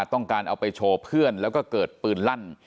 ต้องการเอาไปโชว์เพื่อนแล้วก็เกิดปืนลั่น